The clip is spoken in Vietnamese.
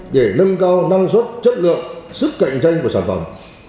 để nâng cao năng suất chất lượng sức cạnh tranh của sản phẩm